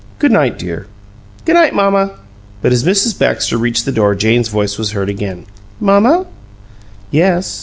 "Good night, dear." "G' night, mamma." But as Mrs. Baxter reached the door Jane's voice was heard again. "Mamma?" "Yes?"